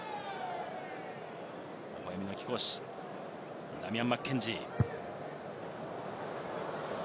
ほほえみの貴公子、ダミアン・マッケンジー。